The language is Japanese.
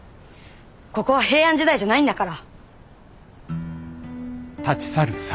ここは平安時代じゃないんだから。